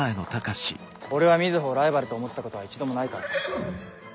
俺は瑞穂をライバルと思ったことは一度もないから。